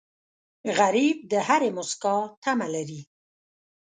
غریب د هرې موسکا تمه لري